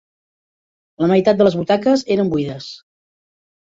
La meitat de les butaques eren buides.